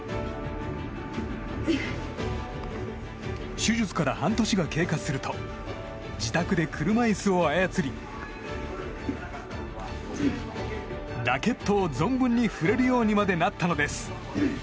手術から半年が経過すると自宅で車いすを操りラケットを存分に振れるようにまでなったのです。